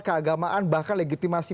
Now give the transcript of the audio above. keagamaan bahkan legitimasi